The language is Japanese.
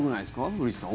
古市さん